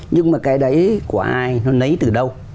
nhưng mà cái đấy của ai nó lấy từ đâu